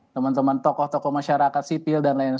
teman teman tokoh tokoh masyarakat sipil dan lain lain